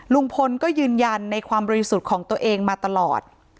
ลุงพลก็ยืนยันในความบริสุทธิ์ของตัวเองมาตลอด